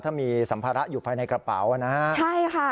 ถ้ามีสัมภาระอยู่ภายในกระเป๋านะฮะใช่ค่ะ